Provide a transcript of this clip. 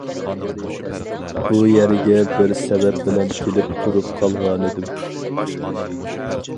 بۇ يەرگە بىر سەۋەب بىلەن كېلىپ تۇرۇپ قالغانىدىم.